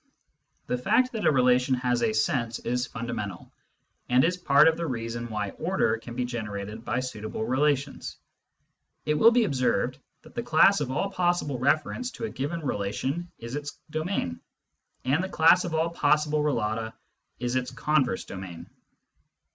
The fact that a relation has a " sense " is fundamental, and is part of the reason why order can be generated by suitable relations. It will be observed that the class of all possible referents to a given relation is its domain, and the class of all possible relata is its converse domain.